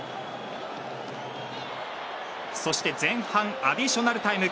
そして前半アディショナルタイム